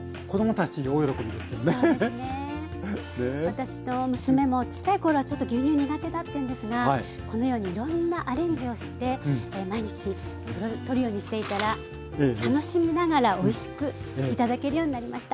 私の娘もちっちゃい頃はちょっと牛乳苦手だったんですがこのようにいろんなアレンジをして毎日取るようにしていたら楽しみながらおいしく頂けるようになりました。